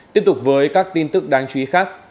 tiếp tục với các tin tức đáng chú ý khác